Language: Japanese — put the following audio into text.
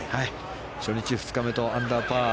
初日、２日目とアンダーパー。